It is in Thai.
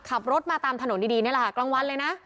ขับรถมาตามถนนดีนี่แหละค่ะกลางวันเลยนะ